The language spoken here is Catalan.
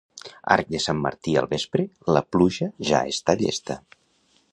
Arc de sant Martí al vespre, la pluja ja està llesta.